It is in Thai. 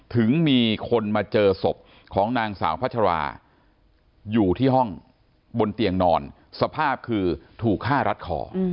ถึงมีคนมาเจอศพของนางสาวพัชราอยู่ที่ห้องบนเตียงนอนสภาพคือถูกฆ่ารัดคอ